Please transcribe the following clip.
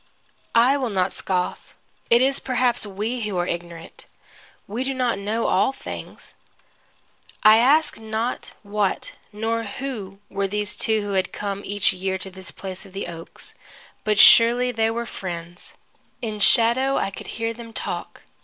I will not scoff. It is perhaps we who are ignorant. We do not know all things. I ask not what nor who were these two who had come each year to this place of the oaks, but surely they were friends. In shadow, I could hear them talk.